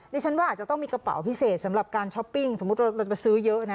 ดิฉันว่าอาจจะต้องมีกระเป๋าพิเศษสำหรับการช้อปปิ้งสมมุติเราจะซื้อเยอะนะ